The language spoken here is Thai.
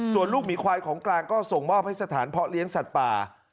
ส่วนลูกหมีควายของกลางก็ส่งมอบให้สถานเพาะเลี้ยงสัตว์ป่า